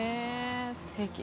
すてき。